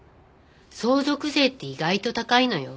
相続税って意外と高いのよ。